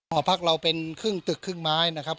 หอพักเราเป็นครึ่งตึกครึ่งไม้นะครับ